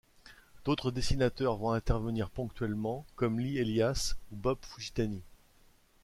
D’autres dessinateurs vont intervenir ponctuellement comme Lee Elias ou Bob Fujitani.